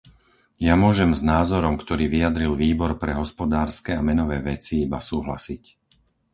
Ja môžem s názorom, ktorý vyjadril Výbor pre hospodárske a menové veci, iba súhlasiť.